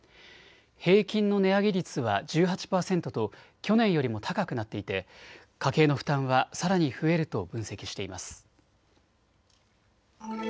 平均の値上げ率は１８％と去年よりも高くなっていて家計の負担はさらに増えると分析しています。